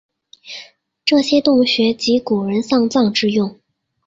这些洞穴即古人丧葬之用。